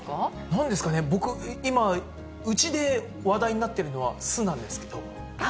なんですかね、僕、今、うちで話題になってるのは酢なんですけれども。